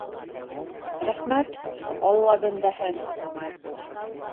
Рәхмәт, алла бәндәһе...